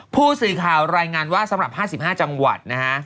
ผู้สื่อข่าวรายงานว่าสำหรับ๕๕จังหวัดนะฮะ